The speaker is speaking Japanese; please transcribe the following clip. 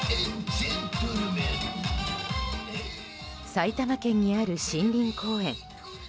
埼玉県にある森林公園。